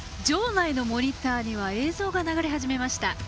場内のモニターには映像が流れ始めました。